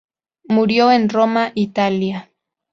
Murió en Roma, Italia.